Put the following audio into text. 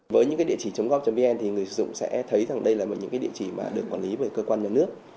với những địa chỉ gov vn thì người dùng sẽ thấy rằng đây là một địa chỉ được quản lý bởi cơ quan nhà nước